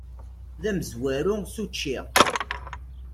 D amezwaru s učči!